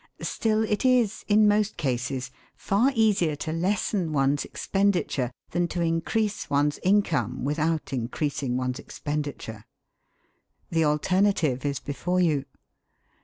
Still it is, in most cases, far easier to lessen one's expenditure than to increase one's income without increasing one's expenditure. The alternative is before you.